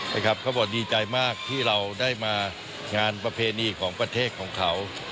เขาบอกดีใจมากที่เราได้มางานประเพณีของประเทศของเขา